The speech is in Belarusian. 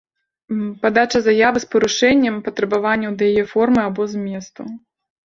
Падача заявы з парушэннем патрабаванняў да яе формы або зместу.